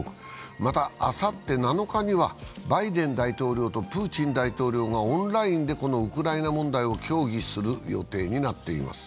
またあさって７日にはバイデン大統領とプーチン大統領がオンラインでこのウクライナ問題を協議する予定になっています。